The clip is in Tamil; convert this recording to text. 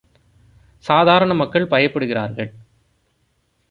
சாதாரண மக்கள் பயப்படுகிறார்கள்.